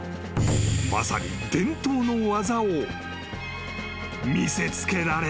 ［まさに伝統の技を見せつけられた］